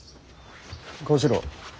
小四郎。